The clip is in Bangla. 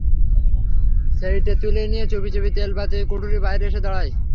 সেইটে তুলে নিয়ে চুপি চুপি তেলবাতির কুঠরির বাইরে এসে দাঁড়াল।